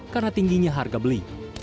karena tingginya harga beli